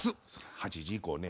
８時以降ね